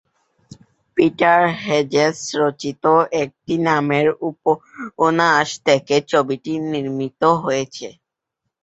Peter Hedges রচিত একই নামের উপন্যাস থেকে ছবিটি নির্মীত হয়েছে।